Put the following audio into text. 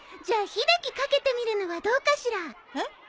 じゃあ秀樹かけてみるのはどうかしら。